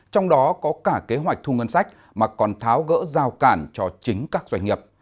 trong đó có cả kế hoạch thu ngân sách mà còn tháo gỡ giao cản cho chính các doanh nghiệp